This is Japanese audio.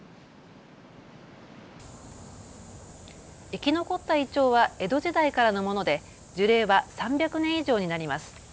生き残ったイチョウは江戸時代からのもので樹齢は３００年以上になります。